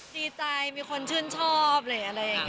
ดีใจมีคนชื่นชอบอะไรอะไรอย่างงี้อะ